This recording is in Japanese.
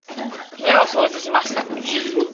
部屋を掃除しました。